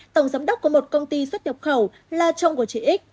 tổng giám đốc của một công ty xuất nhập khẩu la trong của chị x